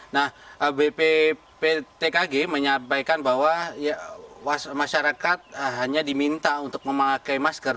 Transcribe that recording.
nah bpptkg menyampaikan bahwa masyarakat hanya diminta untuk memakai masker